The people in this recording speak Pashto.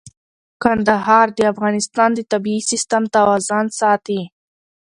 کندهار د افغانستان د طبعي سیسټم توازن ساتي.